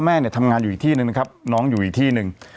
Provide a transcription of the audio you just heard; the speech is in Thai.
แม่เนี่ยทำงานอยู่อีกที่หนึ่งนะครับน้องอยู่อีกที่หนึ่ง